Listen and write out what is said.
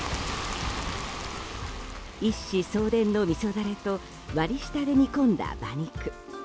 一子相伝のみそダレと割り下で煮込んだ馬肉。